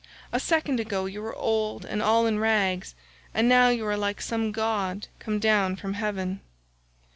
A second ago you were old and all in rags, and now you are like some god come down from heaven."